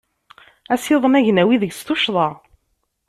Asiḍen agnawi degs tuccḍa.